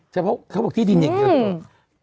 เขาบอกที่ดินอย่างเดียว